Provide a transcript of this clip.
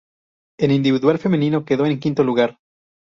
En individual femenino quedó en quinto lugar.